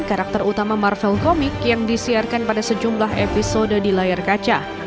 karakter utama marvel komik yang disiarkan pada sejumlah episode di layar kaca